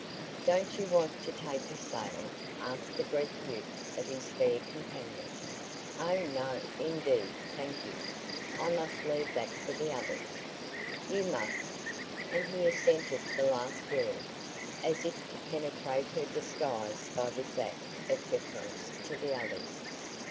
"Don't you want to take a sail?" asked the Greek youth of his fair companion. "Oh, no, indeed, thank you. I must leave that for the others." "You must?" and he accented the last word, as if to penetrate her disguise by this act of deference to the "others."